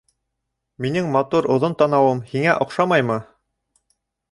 Минең матур оҙон танауым һиңә оҡшамаймы?